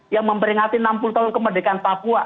yang memperingati enam puluh tahun kemerdekaan papua